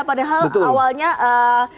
padahal awalnya supporter supporter asia